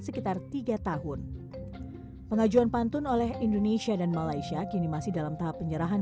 sekitar tiga tahun pengajuan pantun oleh indonesia dan malaysia kini masih dalam tahap penyerahan